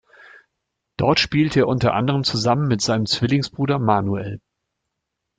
Dort spielte er unter anderem zusammen mit seinem Zwillingsbruder Manuel.